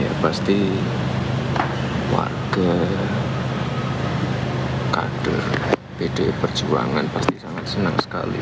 ya pasti warga kader pdi perjuangan pasti sangat senang sekali